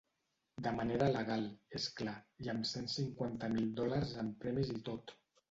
De manera legal, és clar, i amb cent cinquanta mil dòlars en premis i tot.